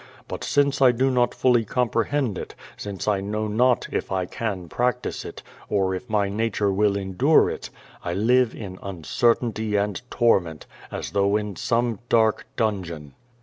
But since I do not fully com]irehend it, since I know not if I can practice it, or if my nature will endure it, I live in un certainty and torment, as though in si^me dark dungeon.'